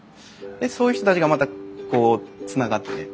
そういう人たちがまたこうつながってね。